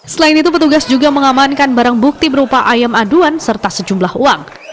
selain itu petugas juga mengamankan barang bukti berupa ayam aduan serta sejumlah uang